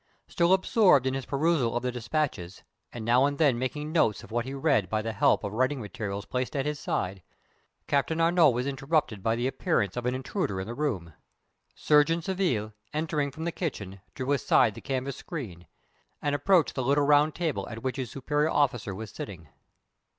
Still absorbed in his perusal of the dispatches, and now and then making notes of what he read by the help of writing materials placed at his side, Captain Arnault was interrupted by the appearance of an intruder in the room. Surgeon Surville, entering from the kitchen, drew aside the canvas screen, and approached the little round table at which his superior officer was sitting.